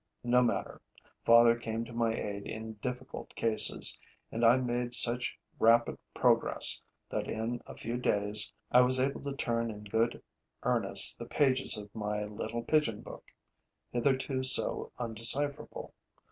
No matter: father came to my aid in difficult cases; and I made such rapid progress that, in a few days, I was able to turn in good earnest the pages of my little pigeon book, hitherto so undecipherable.